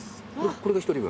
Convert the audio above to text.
これが１人分。